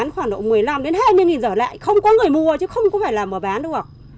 không có người mua chứ không phải là mở bán được